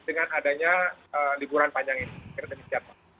dengan adanya liburan panjang ini